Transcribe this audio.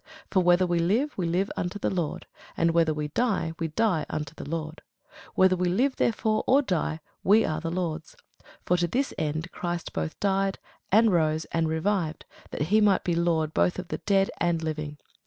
For whether we live, we live unto the Lord; and whether we die, we die unto the Lord: whether we live therefore, or die, we are the Lord's. For to this end Christ both died, and rose, and revived, that he might be Lord both of the dead and living.